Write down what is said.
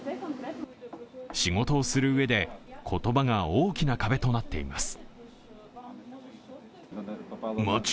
仕事をするうえで言葉が大きな壁となっています。